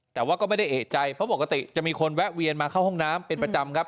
แต่ว่าก็ไม่ได้เอกใจเพราะปกติจะมีคนแวะเวียนมาเข้าห้องน้ำเป็นประจำครับ